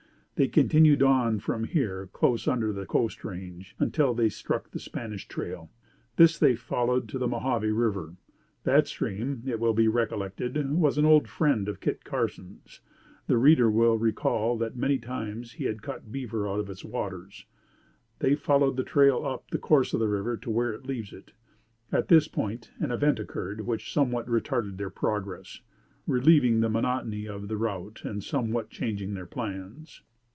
They continued on from here close under the coast range until they struck the Spanish Trail. This they followed to the Mohave River. That stream, it will be recollected, was an old friend of Kit Carson's. The reader will recall the many times he had caught beaver out of its waters. They followed the trail up the course of the river to where it leaves it. At this point an event occurred which somewhat retarded their progress, relieving the monotony of the route and somewhat changing their plans.